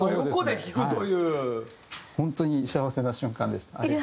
本当に幸せな瞬間でした。